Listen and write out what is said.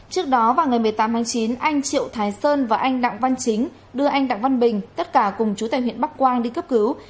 trước đó vào ngày một mươi tám tháng chín anh triệu thái sơn và anh đặng văn chính đưa anh đặng văn bình tất cả cùng chú tài huyện bắc quang đi cấp cứu